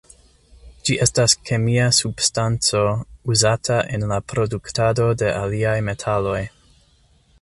Ĝi estas kemia substanco uzata en la produktado de aliaj metaloj.